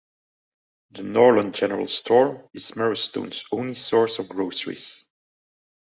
The Nordland General Store is Marrowstone's only source of groceries.